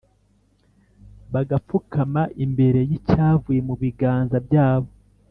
bagapfukama imbere y’icyavuye mu biganza byabo,